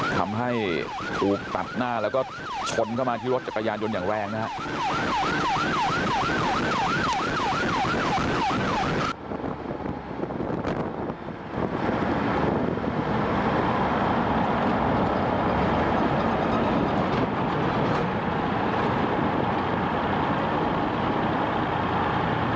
ทำให้ถูกตัดหน้าแล้วก็ชนเข้ามาที่รถจักรยานยนต์อย่างแรงนะครับ